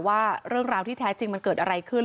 ว่าเรื่องราวที่แท้จริงมันเกิดอะไรขึ้น